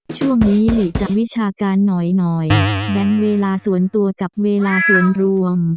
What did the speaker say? ช่วงนี้หลีจะวิชาการหน่อยแบ่งเวลาส่วนตัวกับเวลาส่วนรวม